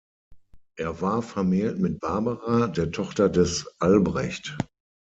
Er war vermählt mit Barbara, der Tochter des Albrecht.